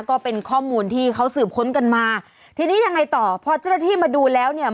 ก็เป็นข้อมูลที่เขาสืบค้นกันมาทีนี้ยังไงต่อพอเจ้าหน้าที่มาดูแล้วเนี่ย